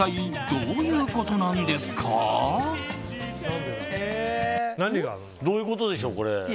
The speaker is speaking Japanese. どういうことでしょう、これ。